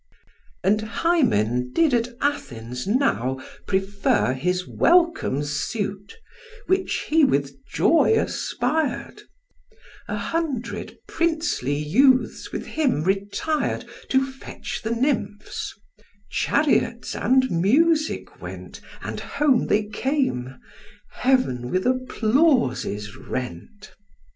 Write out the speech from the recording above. And Hymen did at Athens now prefer His welcome suit, which he with joy aspir'd: A hundred princely youths with him retir'd To fetch the nymphs; chariots and music went And home they came: heaven with applauses rent.